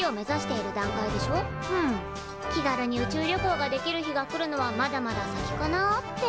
気軽に宇宙旅行ができる日が来るのはまだまだ先かなって。